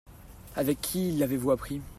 Avec qui l'avez-vous appris ?